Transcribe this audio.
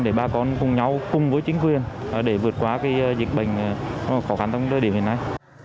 để bà con cùng nhau cùng với chính quyền để vượt qua dịch bệnh khó khăn trong thời điểm hiện nay